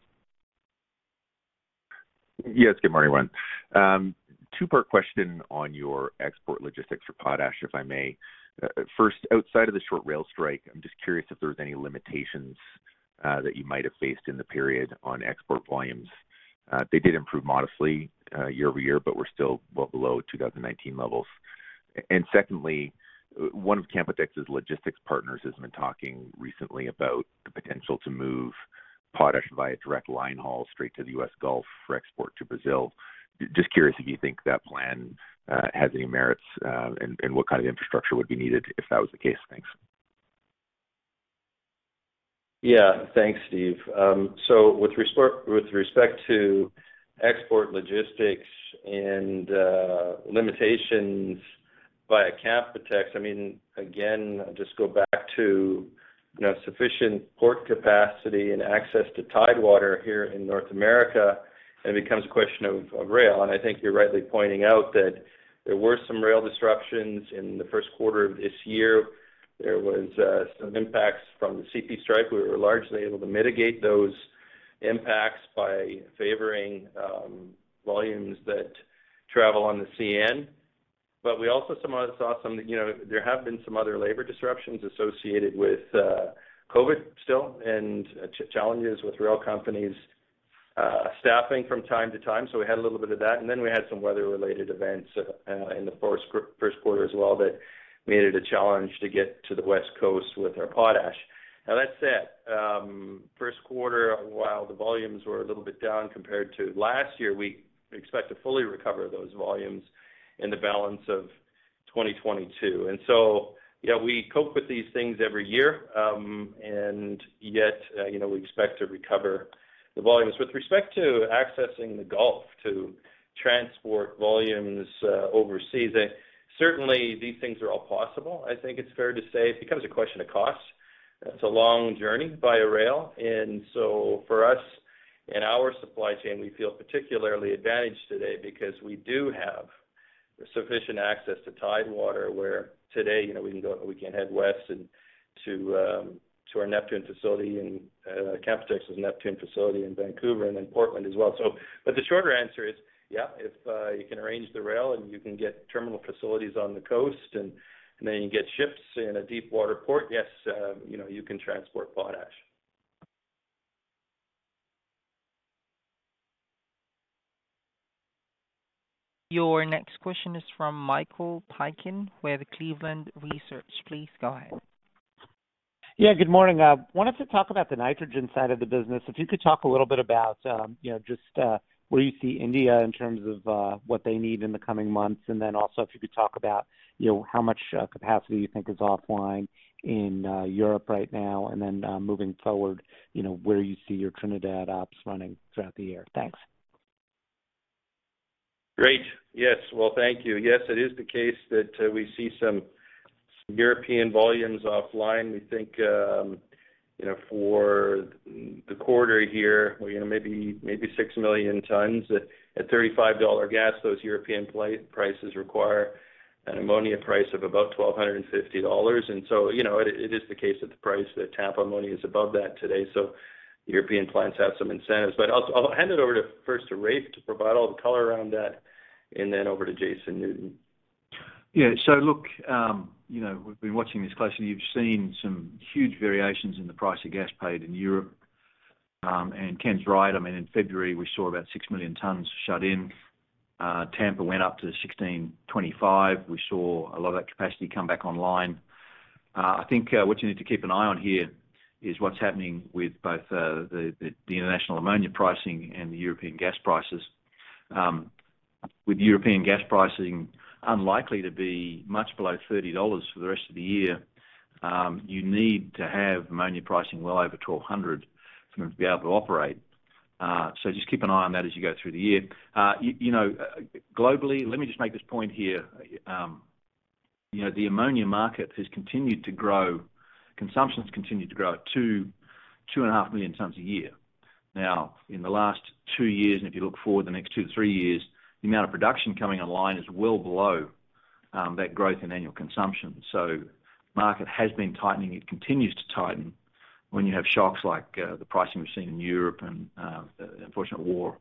Yes, good morning, everyone. Two-part question on your export logistics for potash, if I may. First, outside of the short rail strike, I'm just curious if there's any limitations that you might have faced in the period on export volumes. They did improve modestly year-over-year, but we're still well below 2019 levels. Secondly, one of Canpotex's logistics partners has been talking recently about the potential to move potash via direct line haul straight to the U.S. Gulf for export to Brazil. Just curious if you think that plan has any merits, and what kind of infrastructure would be needed if that was the case? Thanks. Thanks, Steve. So with respect to export logistics and limitations via Canpotex, I mean, again, I'll just go back to, you know, sufficient port capacity and access to tidewater here in North America, and it becomes a question of rail. I think you're rightly pointing out that there were some rail disruptions in the first quarter of this year. There was some impacts from the CP strike. We were largely able to mitigate those impacts by favoring volumes that travel on the CN. We also somehow saw some, you know, there have been some other labor disruptions associated with COVID still and challenges with rail companies staffing from time to time, so we had a little bit of that. We had some weather-related events in the first quarter as well that made it a challenge to get to the West Coast with our potash. Now that said, first quarter, while the volumes were a little bit down compared to last year, we expect to fully recover those volumes in the balance of 2022. You know, we cope with these things every year, and yet, you know, we expect to recover the volumes. With respect to accessing the Gulf to transport volumes overseas, certainly these things are all possible. I think it's fair to say it becomes a question of cost. It's a long journey via rail. For us and our supply chain, we feel particularly advantaged today because we do have sufficient access to Tidewater, where today, you know, we can head west and to our Neptune facility in Canpotex's Neptune facility in Vancouver and then Portland as well. But the shorter answer is, yeah, if you can arrange the rail and you can get terminal facilities on the coast and then you get ships in a deep water port, yes, you know, you can transport potash. Your next question is from Michael Piken with Cleveland Research. Please go ahead. Yeah. Good morning. Wanted to talk about the nitrogen side of the business. If you could talk a little bit about, you know, just where you see India in terms of what they need in the coming months. If you could talk about how much capacity you think is offline in Europe right now. Moving forward, you know, where you see your Trinidad ops running throughout the year. Thanks. Great. Yes. Well, thank you. Yes, it is the case that we see some European volumes offline. We think, you know, for the quarter here, you know, maybe 6 million tons at $35 gas, those European prices require an ammonia price of about $1,250. You know, it is the case that the price that Tampa Ammonia is above that today. The European plants have some incentives. I'll hand it over first to Raef to provide all the color around that, and then over to Jason Newton. Look, you know, we've been watching this closely. You've seen some huge variations in the price of gas paid in Europe. Ken's right. I mean, in February, we saw about 6 million tons shut in. Tampa went up to $1,625. We saw a lot of that capacity come back online. I think what you need to keep an eye on here is what's happening with both the international ammonia pricing and the European gas prices. With European gas pricing unlikely to be much below $30 for the rest of the year, you need to have ammonia pricing well over $1,200 for them to be able to operate. Just keep an eye on that as you go through the year. You know, globally, let me just make this point here. You know, the ammonia market has continued to grow. Consumption has continued to grow at 2.5 million tons a year. Now, in the last 2 years, and if you look forward the next 2-3 years, the amount of production coming online is well below that growth in annual consumption. Market has been tightening. It continues to tighten when you have shocks like the pricing we've seen in Europe and the unfortunate war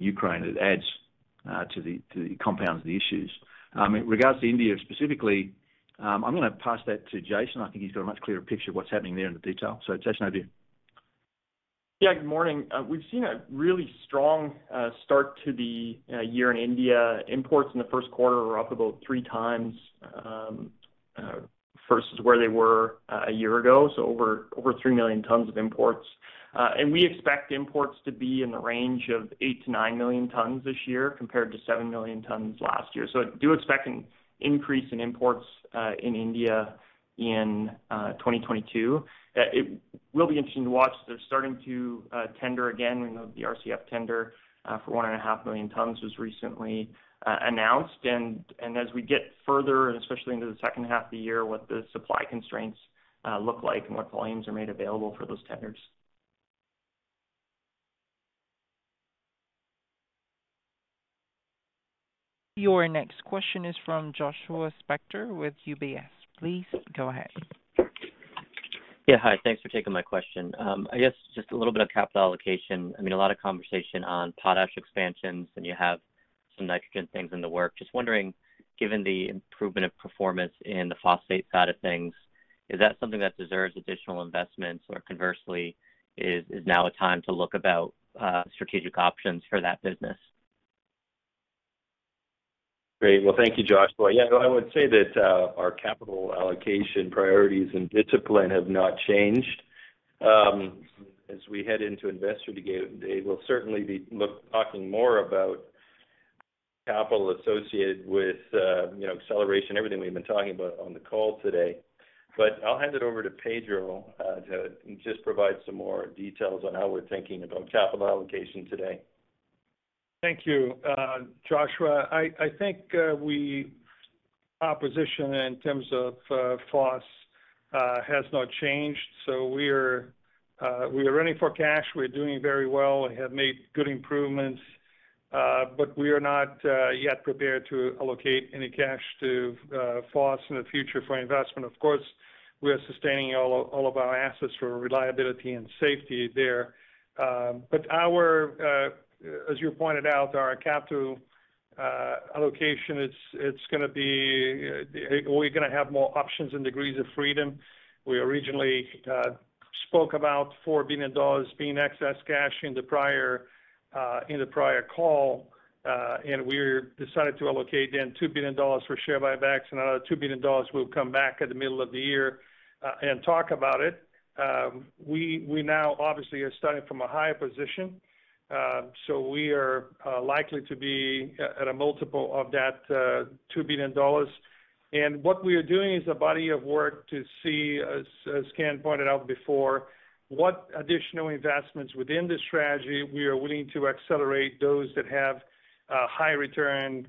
in Ukraine, it adds to it compounds the issues. In regards to India specifically, I'm gonna pass that to Jason. I think he's got a much clearer picture of what's happening there in detail. Jason, over to you. Yeah. Good morning. We've seen a really strong start to the year in India. Imports in the first quarter are up about 3x versus where they were a year ago, so over 3 million tons of imports. We expect imports to be in the range of 8-9 million tons this year compared to 7 million tons last year. I do expect an increase in imports in India in 2022. It will be interesting to watch. They're starting to tender again. We know the RCF tender for 1.5 million tons was recently announced. As we get further, and especially into the second half of the year, what the supply constraints look like and what volumes are made available for those tenders. Your next question is from Joshua Spector with UBS. Please go ahead. Yeah, hi. Thanks for taking my question. I guess just a little bit of capital allocation. I mean, a lot of conversation on potash expansions, and you have some nitrogen things in the works. Just wondering, given the improvement of performance in the phosphate side of things, is that something that deserves additional investments? Or conversely, is now a time to look about strategic options for that business? Great. Well, thank you, Joshua. Yeah, I would say that our capital allocation priorities and discipline have not changed. As we head into Investor Day, we'll certainly be talking more about capital associated with, you know, acceleration, everything we've been talking about on the call today. I'll hand it over to Pedro to just provide some more details on how we're thinking about capital allocation today. Thank you, Joshua. I think our position in terms of phos has not changed. We're running for cash. We're doing very well and have made good improvements. We are not yet prepared to allocate any cash to phos in the future for investment. Of course, we are sustaining all of our assets for reliability and safety there. As you pointed out, our capital allocation, it's gonna be. We're gonna have more options and degrees of freedom. We originally spoke about $4 billion being excess cash in the prior call, and we decided to allocate then $2 billion for share buybacks and another $2 billion will come back at the middle of the year, and talk about it. We now obviously are starting from a higher position, so we are likely to be at a multiple of that $2 billion. What we are doing is a body of work to see, as Ken pointed out before, what additional investments within the strategy we are willing to accelerate those that have a high return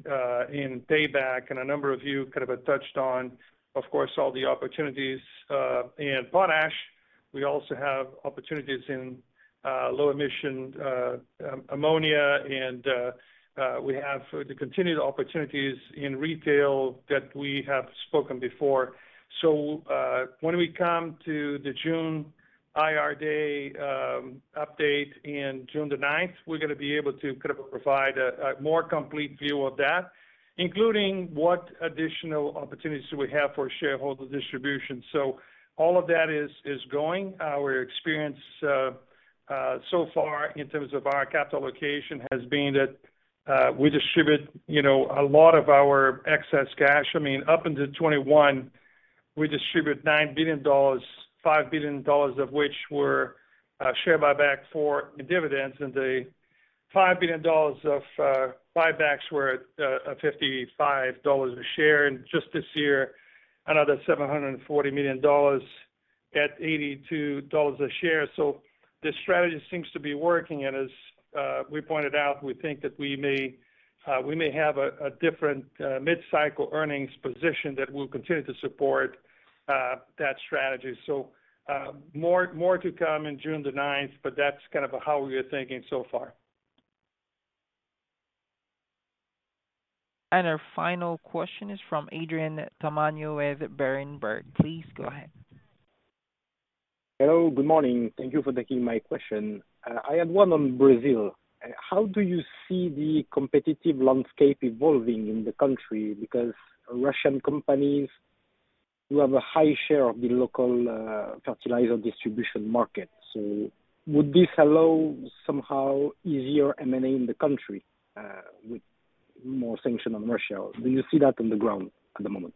in payback. A number of you kind of touched on, of course, all the opportunities in potash. We also have opportunities in low-emission ammonia, and we have the continued opportunities in retail that we have spoken before. When we come to the June IR day update in June the 9th, we're gonna be able to kind of provide a more complete view of that, including what additional opportunities do we have for shareholder distribution. All of that is going. Our experience so far in terms of our capital allocation has been that we distribute, you know, a lot of our excess cash. I mean, up into 2021, we distributed $9 billion, $5 billion of which were share buybacks and dividends, and the $5 billion of buybacks were at $55 a share. Just this year, another $740 million at $82 a share. The strategy seems to be working. As we pointed out, we think that we may have a different mid-cycle earnings position that will continue to support that strategy. More to come in June 9th, but that's kind of how we are thinking so far. Our final question is from Adrien Tamagno with Berenberg. Please go ahead. Hello, good morning. Thank you for taking my question. I had one on Brazil. How do you see the competitive landscape evolving in the country? Because Russian companies have a high share of the local fertilizer distribution market. Would this allow somehow easier M&A in the country, with more sanctions on Russia? Do you see that on the ground at the moment?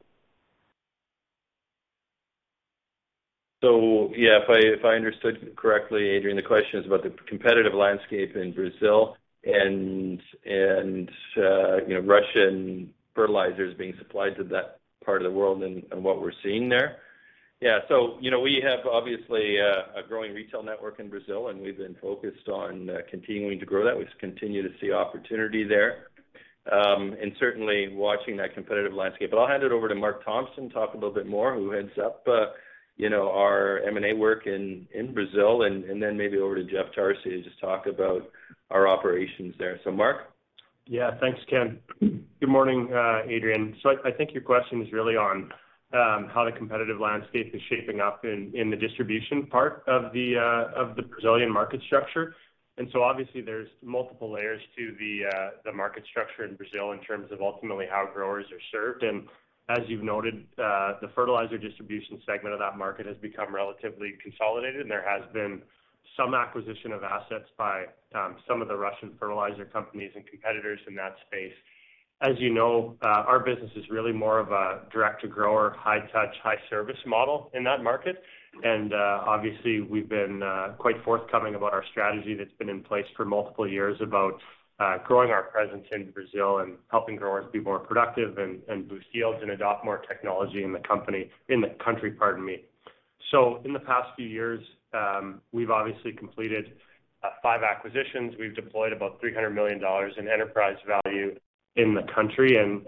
Yeah, if I understood correctly, Adrien, the question is about the competitive landscape in Brazil and you know, Russian fertilizers being supplied to that part of the world and what we're seeing there. Yeah. You know, we have obviously a growing retail network in Brazil, and we've been focused on continuing to grow that. We continue to see opportunity there and certainly watching that competitive landscape. But I'll hand it over to Mark Thompson, talk a little bit more who heads up you know, our M&A work in Brazil and then maybe over to Jeff Tarsi to just talk about our operations there. Mark? Yeah, thanks, Ken. Good morning, Adrien. I think your question is really on how the competitive landscape is shaping up in the distribution part of the Brazilian market structure. Obviously there's multiple layers to the market structure in Brazil in terms of ultimately how growers are served. As you've noted, the fertilizer distribution segment of that market has become relatively consolidated, and there has been some acquisition of assets by some of the Russian fertilizer companies and competitors in that space. As you know, our business is really more of a direct-to-grower, high touch, high service model in that market. Obviously, we've been quite forthcoming about our strategy that's been in place for multiple years about growing our presence in Brazil and helping growers be more productive and boost yields and adopt more technology in the country, pardon me. In the past few years, we've obviously completed five acquisitions. We've deployed about $300 million in enterprise value in the country, and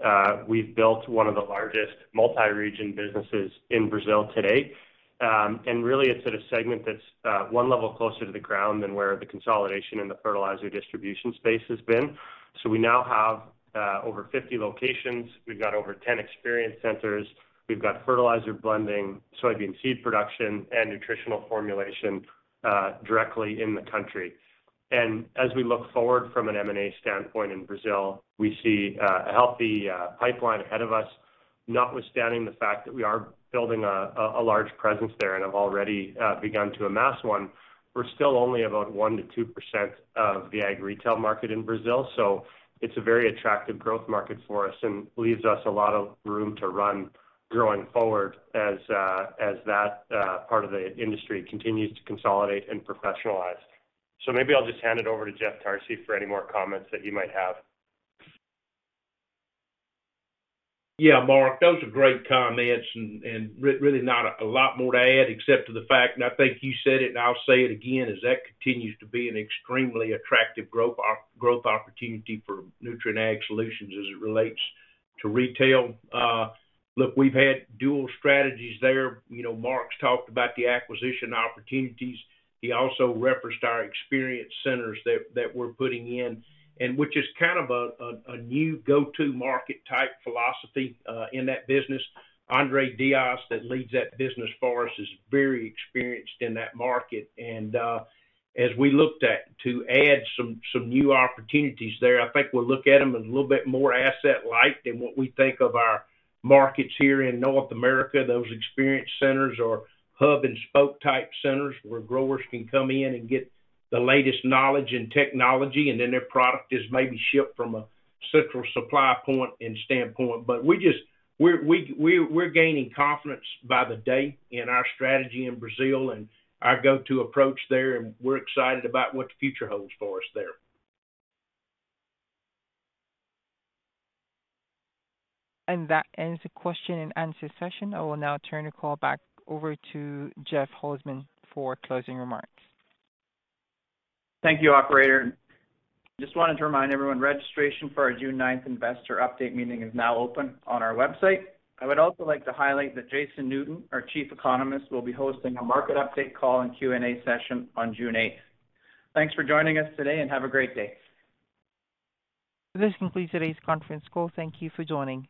we've built one of the largest multi-region businesses in Brazil today. Really it's at a segment that's one level closer to the ground than where the consolidation and the fertilizer distribution space has been. We now have over 50 locations. We've got over 10 Experience Centers. We've got fertilizer blending, soybean seed production, and nutritional formulation directly in the country. As we look forward from an M&A standpoint in Brazil, we see a healthy pipeline ahead of us. Notwithstanding the fact that we are building a large presence there and have already begun to amass one, we're still only about 1%-2% of the ag retail market in Brazil. It's a very attractive growth market for us and leaves us a lot of room to run growing forward as that part of the industry continues to consolidate and professionalize. Maybe I'll just hand it over to Jeff Tarsi for any more comments that you might have. Yeah, Mark, those are great comments and really not a lot more to add except for the fact, and I think you said it and I'll say it again, is that continues to be an extremely attractive growth opportunity for Nutrien Ag Solutions as it relates to retail. Look, we've had dual strategies there. You know, Mark's talked about the acquisition opportunities. He also referenced our Experience Centers that we're putting in, and which is kind of a new go-to market type philosophy in that business. André Dias that leads that business for us is very experienced in that market. As we looked at to add some new opportunities there, I think we'll look at them in a little bit more asset light than what we think of our markets here in North America. Those Experience Centers or hub and spoke type centers, where growers can come in and get the latest knowledge and technology, and then their product is maybe shipped from a central supply point and standpoint. We're gaining confidence by the day in our strategy in Brazil and our go-to approach there, and we're excited about what the future holds for us there. That ends the question and answer session. I will now turn the call back over to Jeff Holzman for closing remarks. Thank you, operator. Just wanted to remind everyone, registration for our June ninth investor update meeting is now open on our website. I would also like to highlight that Jason Newton, our Chief Economist, will be hosting a market update call and Q&A session on June 8th. Thanks for joining us today, and have a great day. This concludes today's conference call. Thank you for joining.